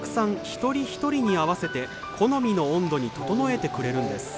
一人一人に合わせて好みの温度に整えてくれるんです。